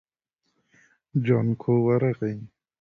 جانکو ورغی.